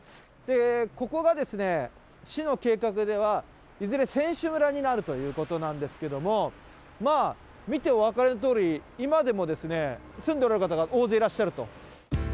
ここがですね、市の計画では、いずれ選手村になるということなんですけれども、まあ、見てお分かりのとおり、今でも住んでおられる方が大勢いらっしゃると。